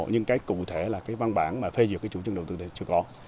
nhưng cụ thể văn bản phê dựng chủ trương đầu tư chưa có